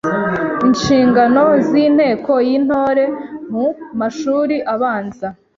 Inshingano z’inteko y’Intore mu mashuri abanza